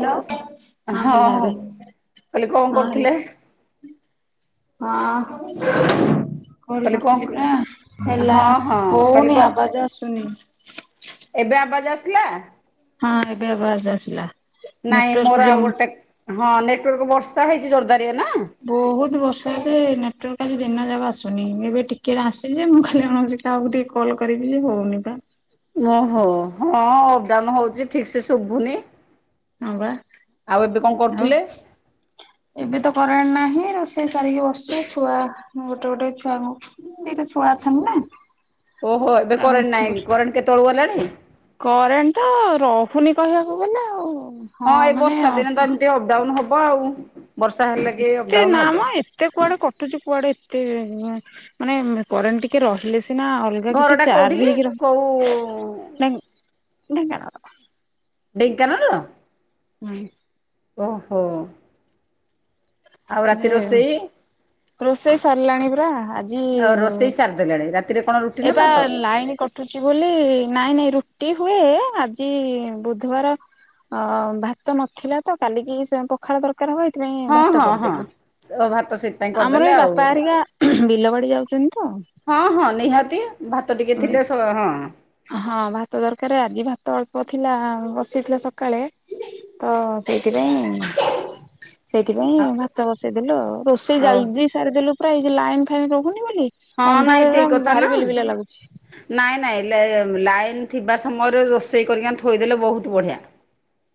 Hello ହଁ ହେଲା ଏବେ କହିଲି କଣ ହଁ ହେଲା। କରୁଥିଲେ? ହଁ। କହିଲି କରିପାରୁଥିଲି ପୁରା କଣ ହେଲା ହଁ ହଁ କହିଲି କ ହଉନି ଆବାଜ ଆସୁନି। ଏବେ ଆବାଜ ଆସିଲା। ହଁ ଏବେ ଆବାସ ଆସିଲା ନାଇଁ ମୋର ନେଟୱାର୍କ ଆଉ ଯ ଗୋଟେ ହଁ ନେଟୱାର୍କ ବର୍ଷା ହେଇଛି ଜୋରଦାରିଆ ନା। ବହୁତ ବର୍ଷ ଜେ ନେଟୱାର୍କ ଆଜି ଦିନ ଯାକ ଆସୁନି ଏବେ ଟିକେ ଆସିଛି ଯେ ମୁଁ ଖାଲି [unintelligible] କାଆକୁ ଟିକେ କଲ୍ କରିବି ଯେ ହଉନି ବା। ଓହୋ ହଁ ଅପଡାଉନ୍ ହଉଛି ଠିକ ସେ ଶୁଭୁନି। ନଙ୍ଗଳା ଆଉ। ହ ଏବେ ତ କରେଣ୍ଟ ନାହିଁ ରୋଷେଇ ସାରିକି ବସିଛି ଛୁଆ ଗୋଟେ ଗୋଟେ ଛୁଆଙ୍କୁ ଦିଟା ଛୁଆ ଅଛନ୍ତି ନା। ଓହୋ ଏବେ କରେଣ୍ଟ ଆଉ ନାଇଁ କରେଣ୍ଟ କେତେବେଳୁ ଗଲାଣି। କରେଣ୍ଟ ତ ରହୁନି କହିବାକୁ ଗଲେ ଆଉ। ହଁ ଏଇ ବର୍ଷା ଦିନେ ତ ଏମିତି ଅପଡାଉନ ହବ ଆଉ ବର୍ଷା ହେଲେ। କି ଏତେ ଅପଡାଉନ ହବ। ନାମ ଏ ତେ କୁଆଡେ କଟୁଚୁ କୁଆଡେ ଏତେ ମା-ମାନେ କରେଣ୍ଟ ଟିକେ ରହିଲେ ସିନା ଅଲ ଗା କିଛି ଘରଟା କୋଉଠି ଚାର୍ଜ କି ହେଇକି ରହି କୋଉ ନାହି ଢେଙ୍କାନାଳ। ଢେଙ୍କାନାଳ? ନାହି ଓହୋ। ଆଉ ରାତି ଯେ ରୋଷେଇ? ରୋଷେଇ ସାରିଲାଣି ପୁରା ଆଜି ଦେଲାଣି ରା ଏ ପା ଲାଇନ୍ କଟ ଟୁଚି ବୋଲି ନାଇଁ ନାଇଁ ରୁଟି ହୁଏ, ଆଜି ବୁଧବାର ଅ, ଭାତ ନଥିଲା ତ କାଲିକି ସେ ପଖାଳ ଦରକାର ହବ ଏଇଥିପାଇଁ ହଁ ଭାତ ହଁ ହଁ କରିଦେଲୁ। ଓ ଭାତ ସେଇଥିପାଇଁ ଆମର କରିଦେଲେ ଏଇ ଆଉ। ବାପା ଏରିକା ବିଲ ବାଡି ଯାଉଚନ୍ତି ତ ହଁ, ହଁ ନିହାତି ଭାତ ଟିକେ ଥିଲେ ସ- ହଁ ହଁ ଭାତ ଦରକାର, ଆଜି ଭାତ ଅଳ୍ପ ଥିଲା ବସିଥିଲା ସକାଳେ ତ ସେଇଥିପାଇଁ ସେଇଥିପାଇଁ ଭାତ ବସେଇଦେଲୁ ଆଉ, ରୋଷେଇ ଓ ଜାଲଦି ସାରିଦେଲୁ ପ୍ରାୟେ ଏଇ ଯେ ଲାଇନ୍ ଫାଇନ୍ ରହୁନି ବୋଲି। ହଁ ନାଇଁ ଅନ୍ଧାରରେ ଠିକ କଥା ନା ଭାରି ବିଲି ବିଲା ଲାଗୁଛି। ନାଇଁ ନାଇଁ ଲେ-ଲାଇନ୍ ଥିବା ସମୟରେ ରୋଷେଇ କରିକି ଆଣି ଥୋଇଦେଲେ ବହୁତ ବଢ଼ିଆ।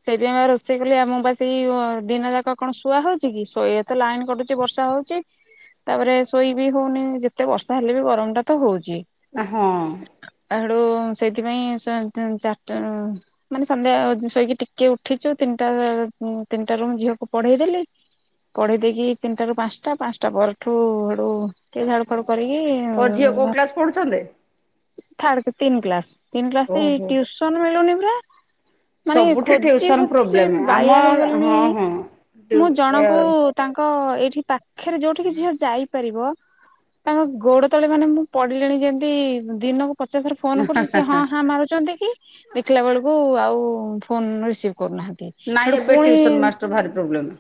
ସେଇଥିପାଇଁ ବା ରୋଷେଇ କଲି ଆ, ମୁଁ ବା ସେଇ ଅ, ଦିନ ଯାକ କଣ ଶୁଆ ହଉଚେ କି ଶୋଇ ଏତ ଲାଇନ୍ କଟୁ ଚି, ବର୍ଷା ହଉଚି ତାପରେ ଶୋଇ ବିି ହଉନି, ଯେତେ ବର୍ଷା ହେଲେ ବି ଗରମ ଟା ତ ହଉଚି। ଆ, ହଁ। ଏ ସେଇଠୁ ସେଇଥିପାଇଁ ଚା-ତି- ଚାଟା ବେଳୁ ମାନେ ସନ୍ଧ୍ୟା ଓ ଯ-ଶୋଇକି ଟି କେ ଉଠିଚୁ ତିନିଟା ରାର ଉଁ, ତିନିଟା ରୁ ମୁଁ ଝିଅକୁ ପଢେଇ ଦେଲି। ପଢେଇ ଦେଇକି ତିନିଟା ରୁ ପାନ୍ସଟା, ପାନ୍ସଟା ପରଠୁ ସେଠୁ ଟିକେ ଝାଡୁ ଫାଡୁ କରିକି ଓ ଝିଅ ଉଁ, କୋଉ ଭା କ୍ଲାସ ପଢୁଛନ୍ତି? ଥାର୍ଡକ ତିନ କ୍ଲାସ୍ ତିନ କ୍ଲାସୂ ଯେ ଓହୋ ଟିଉସନୂ ମିଳୁନି ପୁରା ମାନେ ସବୁଠି ଖୋ ଚି ଟିଉସନ ଖୋଜି ପ୍ରୋବ୍ଲେମ ଆମ ବାୟା ହେଇଗଲିଣି, ହଁ ହଁ। ମୁଁ ଜଣଙ୍କୁ ତାଙ୍କ ଏଇଠି ପାଖେରେ ଯୋଉଠିକି ଝିଅ ଯାଇପାରିବ। ତାଙ୍କ ଗୋଡ ତଳେ ମାନେ ମୁଁ ପଡିଲିଣି ଯେମିତି ଦିନକୁ ପଚାଶ ଥର ଫୋନ କରୁଚି ସେ ହଁ ହାଁ ମାରୁଚନ୍ତି କି ଦେଖିଲା ବେଳକୁ ଆଉ ଫୋନ୍ ରିସ୍ ସିଭ୍ କରୁନାହାନ୍ତି। ନାଇଁ, ସେଠୁ ଏବେ ପୁଣି ଟ୍ୟୁସନ୍ ମାଷ୍ଟର୍ ଭାରି ପ୍ରୋବ୍ଲେମ୍।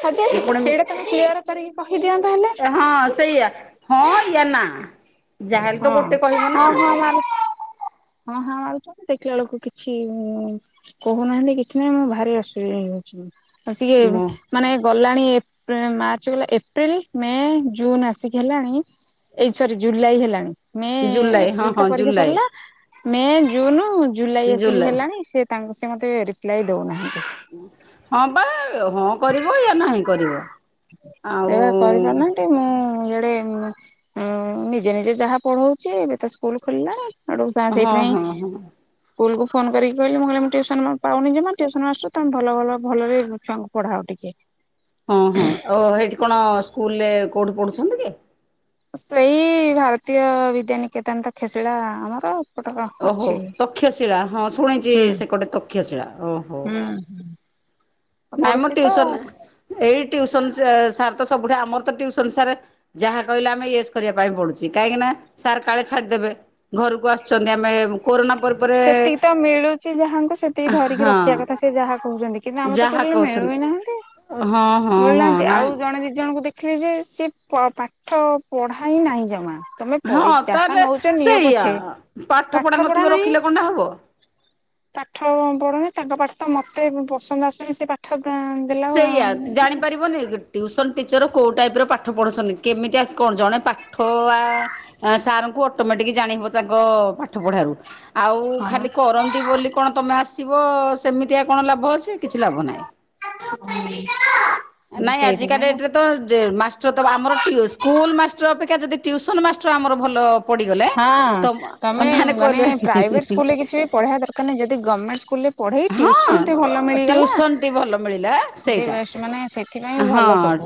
ହଁ ଯେ ସେଇଟା ତୋମେ କ୍ଲିଅର୍ କରିକି କହିଦିଅନ୍ତ ହେଲେ। ହଁ ସେଇଆ ହଁ ୟା ନା। ଯାହାହେଲେ ତ ହଁ, ଗୋଟେ କହିବ ହଁ, ନା ହଁ ମାରୁ ହଁ ହାଁ ମାରୁୁଛନ୍ତି ଦେଖିଲା ବେଳକୁ କିଛି ଉଁ, କହୁନାହାନ୍ତି କିଛି ନାହିଁ, ମୁଁ ଭାରି ଅସୁବି ଇ, ଆଉ ସିଏ ଉଁ ମୁଁ ମାନେ ଗଲାଣି ଏପ୍ ମାର୍ଚ୍ଚ ଗଲା ଏପ୍ରିଲ ମେ ଜୁନ ଆସିକି ହେଲାଣି। ଏଇ ସରି ଜୁଲାଇ ହେଲାଣି, ମେ ଜୁଲାଇ ହଁ ଏପ୍ରିଲ ତ ହଁ ପରୀକ୍ଷା ଜୁଲାଇ ସରିଲା। ମେ, ଜୁନୁ, ଜୁଲାଇ ଆସିକି ହେଲାଣି ସେ ତାଙ୍କ ସେ ମୋତେ ରିପ୍ଲାଏ ଦଉନାହାନ୍ତି। ହଁ ବା ହଁ କରିବ ୟା ନାହିଁ କରିବ, ଆଉ ତି, ମୁଁ ଇଆଡେ ମୁଁଅଁ, ନିଜେ ନିଜେ ଯାହା ପଢଉଛି, ଏବେ ତ ସ୍କୁଲ୍ ଖୋଲିଲାଣି। ଆଡ଼କୁ ସା, ହଁ ସେଇଥିପାଇଁ ହଁ ହଁ ହଁ ସ୍କୁଲ୍ କୁ ଫୋନ୍ କରିକି କହିଲି ମୁଁ କହିଲି ମୁଁ ଟିଉସନ ମୁଁ ପାଉନି ଜମା ଟିଉସନ ମାଷ୍ଟର ତୋମେ ଭଲ ଭଲ ଭଲରେ ଛୁଆଙ୍କୁ ପଢାଅ ଟିକେ। ହଁ ହଁ ଓହୋ ହେଇଠି କଣ ସ୍କୁଲରେ କୋଉଠି ପଢ଼ୁକନ୍ତି କି? ସେଇ ଭାରତୀୟ ବିଦ୍ୟାନିକେତନ ତକ୍ଷ ଶିଳା ଆମର ଆଉ। ଓହୋ ତକ୍ଷଶିଳା ହଁ ଶୁଣିଚି ହୁଁ ସେ କଟେ ତକ୍ଷଶିଳା ଓହୋ। ହୁଁ। ନାଇଁ ମୁଁ ପଢୁଛି ତ ଟିୟୁସନ ରେ ଏଇ ଟିୟୁସନ ସାର୍ ତ ସବୁଠି ଆମର ତ ଟିୟୁସନ ସାର୍ ଯାହା କହିଲେ ଆମେ ଇଏସ୍ କରିବା ପାଇଁ ପଡୁଚି କାହିଁକି ନା ସାର୍ କାଳେ ଛାଡିଦେବେ। ଘରକୁ ଆସୁକନ୍ତି ଆମେ କୋରୋନା ପରେ ପରେ ସେତିକି ତ ମିଳୁଚି ଯାହାଙ୍କୁ ସେତିକି ଧରିକି ରଖିବା କଥା ହଁ ସେ ଯାହା କହୁଚତନ୍ତି। କିନ୍ତୁ ଆମ ତ ଟୋଟାଲ୍ ମିଳୁ ହିଁ ନାହାନ୍ତି। ଓ ହଁ। ହଁ ମିଳୁନାହାନ୍ତି ନାଇଁ ଆଉ ଜଣେ ଦିଇ ଜଣଙ୍କୁ ଦେଖିଲେ ଯେ ସିଏ ପ ପାଠ ପଢା ହିଁ ନାହିଁ ଜମା। ତମେ ପଇ ହଁ ଯାହା ତାହେଲେ ନଉଛ ନିଅ ସେଇଆ ପଛେ ପଢ଼ା ପାଠ ପଢା ନଥିବ ନାହିଁ। ରଖିଲେ କଣଟା ହବ ପାଠ ପଢୁନି ତାଙ୍କ ପାଠ ତ ମତେ ପସନ୍ଦ ଆସୁନି ସେ ପାଠ ଦେ ଦେଲା ପାରିବନେଇକି ଟିୟୁସନ ଟିଚର କୋଉ ଟାଇପ୍ ର ପାଠ ପଢୁଛନ୍ତି କେମିତିଆ କଣ ଜଣେ ପା ପାଠ ଆ ସାର ଙ୍କୁ ଅଟୋମେଟିକ୍ ଜାଣି ହେବ ତାଙ୍କ ପାଠ ପଢ଼ାରୁ। ଆଉ ଖାଲି କରନ୍ତି ବୋଲି କଣ ତମେ ଆସିବ ସେମିତିଆ କଣ ଲାଭ ଅଛି କିଛି ଲାଭ ନାହିଁ। ହୁଁ। ନାଇଁ ଆଜିକା ଡେଟ୍ରେ ତ ଯେ ମାଷ୍ଟର ତ ଆମର ସ୍କୁଲ ମାଷ୍ଟର ଅପେକ୍ଷା ଯଦି ଟିୟୁସନ ମାଷ୍ଟର ଆମର ଭଲ ପଡିଗଲେ ହଁ ତମ ମାନେ କହିଲୁ ପଢ଼ିବା ଦରକାର ନାଁହି ଯଦ ଗମେଣ୍ଟେ ସ୍କୁଲରେ ପଢେଇ ହଁ ଟିୟୁସନ ଟେ ଭଲ ମିଳିଗଲା ଟିଉସନ ଟି ଭଲ ମିଳିଲା ଦି ସେଇଟା ବେଷ୍ଟେ ମାନେ ସେଥିପାଇଁ ଭଲ ହଁ ସବୁ।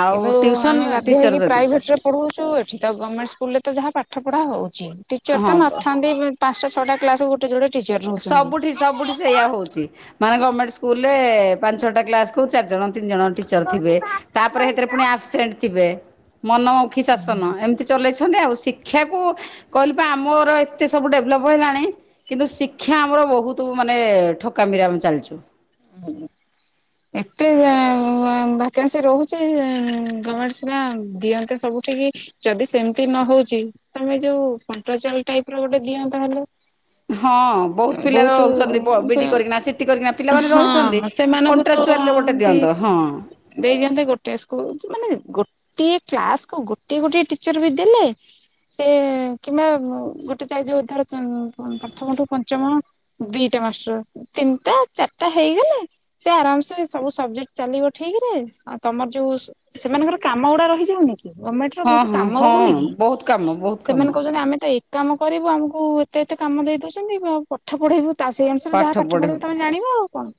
ଆଉ କିନ୍ତୁ ଟିଉସନ ଆମେ ବାଧ୍ୟ ଟିଚର ହେଇକି ଯଦି ପ୍ରାଇଭେଟରେ ପଢୋଚୁ ଏଠି ତ ଗମେଣ୍ଟେ ସ୍କୁଲରେ ତ ଯାହା ପାଠ ପଢା ହୋଉଚି ଟିଚର ତ ହଁ ବ ନଥାନ୍ତି ପାଞ୍ଚଟ ଛଟା କ୍ଲାସକୁ ଗୋ ସେ ଗୋଟେ ଟିଚର ସବୁଠି ସବୁଠି ସେଇୟଆ ହୋଉଚି। ମାନେ ଗମେଣ୍ଟେ ସ୍କୁଲ ରେ ପାଞ୍ଚଛଟା କ୍ଲାସକୁ ଚାରିଣ ତିିନି ଜଣ ଟି ଟିଚର କହୁଛି ଥିବେ ଭାତ ତାପରେ ହେଥିରେ ସହିତ ପୁଣି ଆସେପଣ୍ଟେ ଥିବେ ମନୀମୁଖି ଶାନ ଏନୀତି ଚଲେଚନ୍ତି। ଅଛନ୍ତି ଆଉ ଶିକ୍ଷାକୁ କହିଲିପା ଆମର ଏତେ ସବୁ ଡେଭଲପ ହେଲାଣି କିନ୍ତୁ ସି ଶିକ୍ଷିଆ ଆମର ବୋହୁତ ମାନେ ଠକାମିରେ ଆମେ ଚାଲିଚୁ। ହୁଁ। ଏତେ ଭେକାନ୍ସି ରହୁଚିସି ରୋହୁଚି ଗେମଣ୍ଟେ ସିନା ଦିଅନ୍ତେ ସବୁଠିକ ଯଦି ସେମିତି ନହୋଉଚି ତମେ ଯୋଉ କଣ୍ଟା ଚାଲ ଟାଇପ୍ ର ଗୋଟେ ଦିଅନ୍ତ ତାହଲେ। ହଁ ବୋହୁତ ପିଲା ରହୁଚନ୍ତି ବିଡି କରିକିନା ସିଟି କରିକିନା ପିଲାମାନେ ହଁ ରହିଚନ୍ତି ସେମାନଙ୍କୁ କଣ୍ଟ୍ରା ଛୁଆଲରେ ଗୋଟେ ଦିଅନ୍ତ ହଁ। ଦେଇଯାନ୍ତେ ଗୋଟେ ସ୍କୁଲ ମାନେ ଗୋଟ ଟିଏ କ୍ଲାସକୁୁ ଗୋଟେଏ ଗୋଟଏ ଟିଚର ବି ଦେଲେ ସେ କିମ୍ବା ଗୋଟେ ଚ ଯାଇ ଯୋଉ ଧର ପ୍ରଥମଠୁ ପଞ୍ଚମ ଦିଇଟା ମାସଟର ତିନିଟା ଚାରିଟା ହେଇଗଲେ ସେ ଆରାମ ସେ ସବୁ ସବଜେକ୍ଟ ଚାଲିବ ଠିକ୍ ରେ ଆଉ ତମର ଯୋଉ ସେମାନଙ୍କର କାମ ଗୁଡା ରହିଯାଉନି। ଗଣମେଣ୍ଟ ର ହଁ ବୋହୁତ ହଁ କାମ ହଁ ରହୁନି କି ବହୁତ କାମ ବହୁତ କାମ ସେମାନେ କହୁଚନ୍ତି ଆମେ ତ ଏ କାମ କରିବୁ ଆମକୁ ଏତେ ଏତେ କାମ ଦେଇ ଦୋଉଚନ୍ତି ଆଉ ପଠା ପଢେଇବୁ ତା ସେଇଅନୁଶାରେ ସବୁ ଯାହା ପାଠ ପଢେଇବୁ ତମେ ଜାଣିବ ଆଉ କଣ।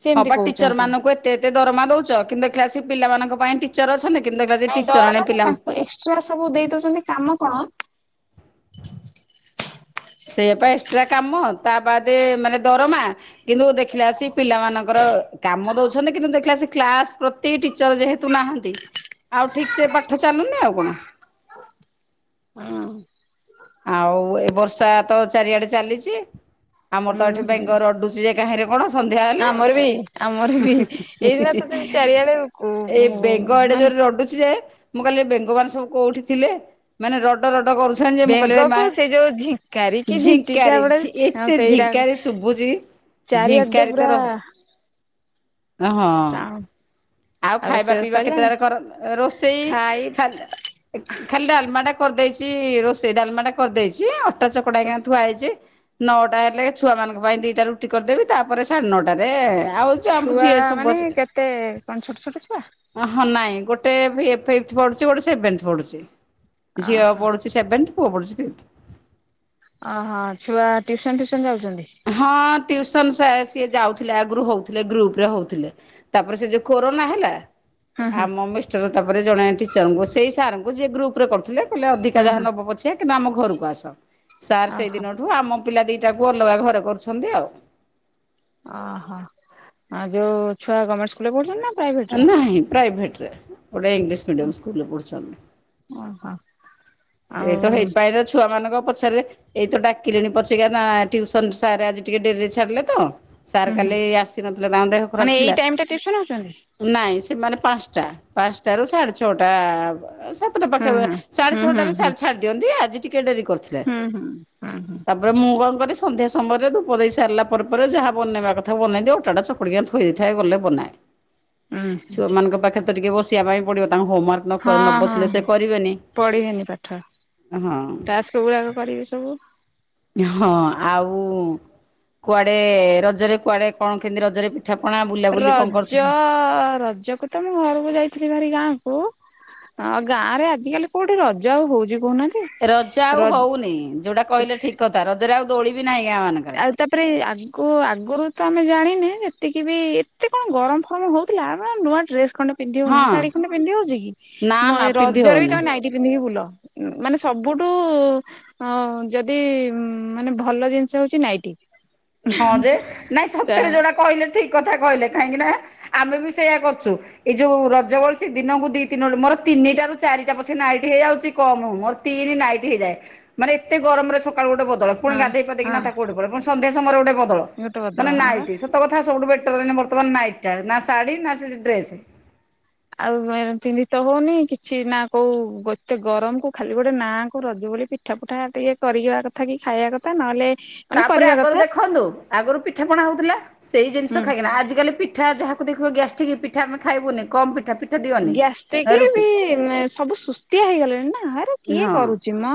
ସେ ହଁ ଏମିତି ପା ଟିଚର କହୁଛନ୍ତି ମାନଙ୍କୁ ଏ ଏତେ ଏତେ ଦରମା ଦଉଚ କିନ୍ତୁ ଦେଖିଲା ଆସିକି ପିଲାମାନଙ୍କ ପାଇଁ ଟିଚର ଅଛନ୍ତି କିନ୍ତୁ ଦେଖିଲା ସେ ଟିଚର ଏଣେ ପିଲା ଛୁଆ ସବୁ ଦେଇ ଦଉଛନ୍ତି କାମ କଣ ସେଇଆ ପା ଏକ୍ସଟ୍ରା କାମ ତା ବାଦେ ମାନେ ଦରମା କିନ୍ତୁ ଦେଖିଲା ଆସି ପିଲାମାନଙ୍କର କାମ ଦଉଛନ୍ତି କିନ୍ତୁ ଦେଖିଲା ଆସି କ୍ଲାସ୍ ପ୍ର ତି ଟିଚର ଯେହେତୁ ନାହାନ୍ତି ଆଉ ଠିକ୍ ସେ ପାଠ ଚାଲୁନି ଆଉ କଣ। ଆଉ ମୁଁ ଆଉ ଏ ବର୍ଷା ତ ଚାରିଆଡେ ଚାଲିଚି ଆମର ହୁଁ ତ ଏଠି ହୁଁ। ବେଙ୍ଗ ରଡୁ ଯେ କାହିଁରେ କଣ। ସନ୍ଧ୍ୟା ହେଲେ ଆମର ବି ଆମର ହୁଁ ବି ହୁଁ ହୁଁ ହିଁ ଏଇଦିନ ହିଁ ତ ଯେମିତି ଚାରିଆଡେ କୁ ହିଁ ଏ ବେଙ୍ଗ ଏଡେ ମାନେ ଜୋର ରଡୁ ଛି ଯେ ମୁଁ କହିଲି ଏ ବେଙ୍ଗମାନେ ସବୁ କୋଉଠି ଥିଲେ ମାନେ ରଡ ରଡ କରୁଛନ୍ତି ଯେ ମୋ କହିଲେ ଏ ମା ବେଙ୍ଗକୁ ସେ ଯୋଉ ଝିଙ୍କାରି କି ଝିଣ୍ଟିକା ଝିଙ୍କାରେ ଗୁଡେ ଝି ଏତେ ସେଇଟା ଝିଙ୍କାରେ ଶୁଭୁଛି ଚାରିଆଡେ ଝିଙ୍କାରି ତ ପୁରା ର ହଁ। ସାଉଣ୍ଡ ଆଉ ଖାଇବା ରୋଷେଇ ବାସ ପିଇବା ସରିଲାଣି? କେତେଟାରେ କର ରୋଷେଇ ଖାଇ ଖାଲ ଏ ଖାଲି ଡାଲମାଟା କରିଦେଇଚି ରୋଷେଇ ଡାଲମାଟା କରିଦେଇଚି ଆଉଁ ଟା ଚକଡା ହେଇକିନା ଥୁଆ ହେଇଚି। ନଅଟା ହେଲେ ଛୁଆମାନଙ୍କ ପାଇଁ ଦିଟା ରୁଟି କରିଦେବି ତାପରେ ସାଢ ନଅଟାରେ ଆଉ ଆମ ଛୁଆ ଝିଅ ସବୁ ମାନେ କେତେ କଣ ଛୋଟ ଛୋଟ ଛୁଆ। ଓ ହଁ ନାଇଁ ଗୋଟେ [unintelligible] ଏଇଟ୍ଥି ପଢୁଛି ଗୋଟେ ସେଭେନ୍ଥ ପଢୁଛି ଝିଅ ଓହୋ ପଢୁଛି ସେଭେନ୍ଥ ପୁଅ ପଢୁଛି ବି ଏଇଟ୍ଥି। ଓ ହଁ ଛୁଆ ଟ୍ୟୁସନ୍ ଫ୍ୟୁସନ୍ ଯାଉଛନ୍ତି। ହଁ ଟ୍ୟୁସନ ସା ସିଏ ଯାଉଥିଲେ ଆଗୁରୁ ହଉଥିଲେ ଗ୍ରୁପରେ ହଉଥିଲେ। ତାପରେ ସେ ଯୋଉ କୋରୋନା ହେଲା ହୁଁ ହୁଁ ଆମ ମିଷ୍ଟର ତାପରେ ଜଣେ ଟିଚରଙ୍କୁ ସେଇ ସାରଙ୍କୁ ଯିଏ ଗ୍ରୁପରେ କରୁଥିଲେ କହିଲେ ଅଧିକା ହୁଁ ଯାହା ହୁଁ ନବ ପଛେ କିନ୍ତୁ ଆମ ଘରୁକୁ ଆସ ସାର୍ ସେଇ ଓହୋ ଦିନଠୁ ଆମ ପିଲା ଦିଟାକୁ ଅଲଗା ଘରେ କରୁଛନ୍ତି ଆଉ। ଅ ହ ଆଉ ଯୋଉ ଛୁଆ ଗମେଣ୍ଟ ସୁ କୁଲରେ ପଢୁଛନ୍ତି ନା ପ୍ରାଇଭେ ଆ ନାହିଁ ପ୍ରାଇଭେଟରେ ଗୋଟେ ଇଂଲିଶ ମିଡିୟମ୍ ସ୍କୁଲରେ ପଢୁଛନ୍ତି। ଓହୋ। ଆଉ ଏଇ ତ ହେଇପାଇଁ ତ ଛୁଆମାନଙ୍କ ପଛେରେ ଏଇ ତ ଡାକିଲେଣି ପଛେକା ନା ଟ୍ୟୁସନ୍ ସାର୍ ଆଜି ଟିକେ ଡେରିରେ ଛାଡିଲେ ତ ସାର୍ ହୁଁ ହୁଁ କାଲି ଆସିନଥିଲେ ତାଙ୍କ ଦେହ ଖରାପ ମାନେ ଏଇ ଥିଲା। ଟାଇମ ଟା ଟିଉସନ ହଉଛନ୍ତି? ନାଇଁ ସେମାନେ ପାଂଶଟା ପାଂଶଟାରୁ ସାଡେ ଛଅଟା ବ ଆ ସା ତେଟା ହୁଁ ପାଖା ପା ହୁଁ ସାଢେ ହୁଁ ହୁଁ ହୁଁ ଛଅଟାରେ ସାର୍ ଛାଡି ଦିଅନ୍ତି ଆଜି ଟିକେ ଡେରି କରିଥି ହୁଁ ହୁଁ ହୁଁ ହୁଁ। [unintelligible] ମୁଁ କଁ କରେ ସନ୍ଧ୍ୟା ସମୟରେ ଧୂପ ଦେଇ ସାରଲା ପରେ ପରେ ଯାହା ବନେଇବା କଥା ବନେଇ ଦିଏ ଅଟାଟା ଚ କୁଡି କିନା ଥୋଇ ଦେଇଥାଏ ଗଲେ ବନାଏ ହୁଁ ଛୁଆମାନଙ୍କ ପାଖେରେ ତ ଟିକେ ବସିବା ପାଇଁ ପଡିବ ତାଙ୍କ ହୋମୱାର୍କ ହଁ ନ ନ ହଁ ବସିଲେ ସେ କରିବେନି। ପଢିବେନି ପାଠ ହଁ ଟାସ୍କଗୁଡାକ କରିବେ ସବୁ। ହଁ ଆଉ କୁଆଡେ ରଜେରେ କୁଆଡେ କଁ କେନ୍ତି ରଜେରେ ଠାପଣା ବୁଲ୍ ରଜ ରଜକୁ ତ ମୁଁ ଘରୁକୁ ଯାଇଥିଲି ଭାରି ଗାଁକୁୁ। ହଁ ଆଉ ଗାଁରେ ଆଜିକାଲି କୋଉଠି ରଜ ଆଉ ହଉଚି କହୁନାନ୍ତି। ରଜ ଆଉ ହଉନି ଯୋଉଟା କହିଲେ ଠିକ୍ କଥା ରଜେରେ ଆଉ ଦୋଳିି ବି ନାହିଁ ଗାଁମାନଙ୍କରେ। ଆଉ ତାପରେ ଆଗୁ ଆଗୁରୁ ତ ଆମେ ଜାଣିନେ ଯେତିକି ବି ଏତେ କଁ ଗରମ ଫରମ ହଉ ଥିଲା ଆମେ ନୂଆ ଡ୍ରେସ୍ ଖଣ୍ଡ ପିନ୍ଧି ହଉନି ହଁ ଶାଢୀ ଖଣ୍ଡେ ପିନ୍ଧି ହଉଚି କି ନା ମ ନା ଏ ପିନ୍ଧି ରଜରେ ବି ହଉନି। ତମେ ନାଇଟ୍ ନାଇଟି ପିନ୍ଧିକି ବୁଲ ମାନେ ସବୁଠୁ ହ ଯଦି ମାନେ ଭଲ ଜିନିଷ ହଉଚି ନାଇଟି। ହଁ ଯେ ନାଇଁ ଚା ସତରେ ଯୋଟା କହିଲେ ଠିକ କଥା କହିଲେ। କାହିଁକି ନା ଆମେ ବି ସେଇଆ କରୁଚୁ। ଏଇ ଯୋଉ ରଜ ଗଳ ସେ ଦିନକୁ ଦି ତିନ ବେଳ ମୋର ତିନିଟ ରୁ ଚାରିଟା ପଛେ ନାଇଟ୍ ହେଇଯାଉଛି କମ ମୋର ତିନ ନାଇଟ ହେଇଯାଏ ମାନେ ଏତେ ଗରମରେ ସକାଳୁ ଗୋଟେ ବଦଳ। ପୁଣି ହଁ ଗାଧେଇ ପାଧେଇକି ହଁ ତାକୁ [inaudible] ପୁଣି ସନ୍ଧ୍ୟା ସମୟରେ ଗୋଟେ ବଦଳ ଗୋଟେ ବଦଳ ମାନେ ହଁ ବା ନାଇଟ। ସତ କଥା ସବୁଠୁ ବେଟର ଏଇନା ବର୍ତ୍ତମାନ ନାଇଟଟା ନା ଶାଢୀ ନା ସେ ଡ୍ରେସ। ଆଉ ପତିନ୍ଧି ତ ହଉନି କିଛି ନା କୋଉ ଗତେ ଗରମ କୁ ଖାଲି ଗୋଟେ ନା କ ରଜ ବୋଲି ପି ପିଠା ପୁଠା ଟିକେ କରିିବା କଥା କି ଖାଇବା କଥା। ନହେଲେ ମାନେ ତାପରେ କରିବା ଆଗରୁ କଥା ଦେଖନ୍ତୁ ଆଗରୁ ପିଠା ପଣା ହଉଥିଲା ସେଇ ଜିନିଷ ହୁଁ। ଖାଇକିନା ଆଜିକାଲି ପିଠା ଯାହା ଦେଖିବ ଗ୍ୟାସଟିକ ପିଠା ଆମେ ଖାଇବୁବି କମ୍ ପିଠା ପି ଗ୍ୟାଷ୍ଟ୍ରିକ ବି ସବୁ ସୁସ୍ତିଆ ହେଇଗଲେଣି ନା। ହେରା କିଏ ହଁ କରୁଚି ମ?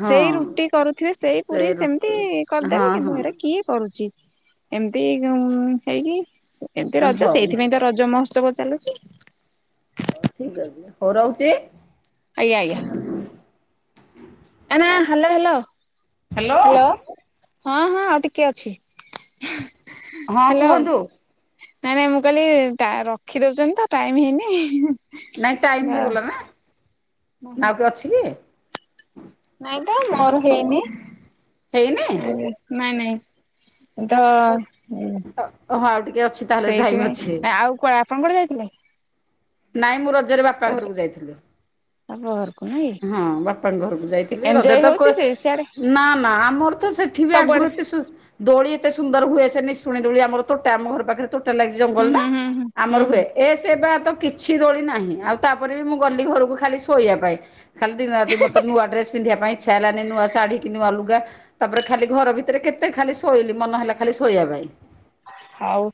ହଁ ସେଇ ରୁଟି କରୁଥିବେ ସେଇ ସେ ପୁରୀ ସେମିତି ରୁଟି ହଁ କରିଦେବେ କିନ୍ତୁ ହଁ ଏରେ କି କରୁଚି? ଏମିତି ଗ ଉମ ହେଇକି ଏମତି ରଜ ହଉ ସେଇଥିପାଇଁ ତ ରଜ ମହୋତ୍ସବ ଚାଲୁଚି। ହ ଠିକ ଅଛି ହଉ ରହୁଚି। ଆଜ୍ଞା ଆଜ୍ଞା। ଏନା ହାଲୋ ହାଲୋ ହ୍ୟାଲୋ ହାଲୋ। ହଁ ହଁ ଆଉ ଟିକେ ଅଛି ହଁ ହାଲୋ। କୁହନ୍ତୁ ନାଇଁ ନାଇଁ ମୁଁ କାଲି ଟା ରଖିଦଉଚନ୍ତି ତ ଟାଇମ ହେଇନି। ନାଇଁ ଟାଇମ ହେଇଗଲା ନାଇଁ ନା। ନା ଆଉ କି ଅଛି କି? ନାଇଁ ତ ମୋର ହେଇନି ହେଇନି ନାଇଁ ନାଇଁ। ତ ଓହ ହ ଆଉ ଟିକେ ଅଛି। ତାହେଲେ ଟାଇମ ଅଛି ସେଇଥିପାଇଁ ଆଉ କ ଆପଣ କୁଆଡେ ଯାଇଥିଲେ? ନାଇଁ ମୁଁ ରଜରେ ବାପା ଘରକୁ ଯାଇଥିଲି। ବାପ ଘରକୁ ନାଇଁ ହଁ ବାପାଙ୍କ ଘରକୁ ଯାଇଥିଲି। ରଜ ଏଞ୍ଜୟ ତ ହଉଛି ସେ ସିଆଡେ ନା ନା ଆମର ତ ସେ ଏଠି ଆଗରୁ ସବୁଆଡେ ଏତେ ସୁ ଦୋଳି ଏତେ ସୁନ୍ଦର ହୁଏ ସେ ନିଶୁଣି ଦୋଳି ଆମର ତୋଟା ଆମ ଘର ପାଖରେ ତୋଟା ଲାଗ ଜଙ୍ଗଲ ହୁଁ ନା ହୁଁ ହୁଁ ହୁଁ ଆମର ହୁଁ ହୁଁ ହୁଏ ଏ ସେ ବା ତ କିଛି କିଛି ଦୋଳି ନାହିଁ ଆଉ ତାପରେ ବି ମୁଁ ଗଲି ଘରକୁ ଖାଲି ଶୋଇବା ପାଇଁ ଖାଲି ଦିନରାତି ମତେ ନୂଆ ଡ୍ରେସ ପିନ୍ଧିବା ପାଇଁ ଇଛା ହେଲାନି। ନୂଆ ଶାଢୀ କି ନୂଆ ଲୁଗା ତାପରେ ଖାଲି ଘର ଭିତରେ କେତେ ଖାଲି ଶୋଇଲି ମନ ହେଲା ଖାଲି ଶୋଇବା ପାଇଁ ହଉ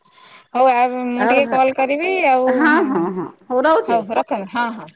ହଉ ଆ ମୁଁ ଆଉ ଟିକେ କଲ୍ କରିବି ଆଉ ହଁ ହଁ ହଁ ରହୁଛି। ହଉ ରଖନ୍ତୁ ହଁ ହଁ।